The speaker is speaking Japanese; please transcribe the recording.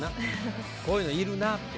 こういうのいるな。